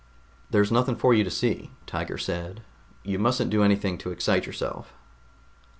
"There's nothing for you to see," Tiger said. "You mustn't do anything to excite yourself."